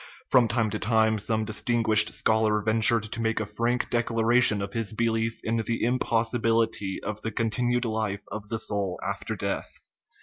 From time to time some dis tinguished scholar ventured to make a frank declara tion of his belief in the impossibility of the continued life of the soul after death.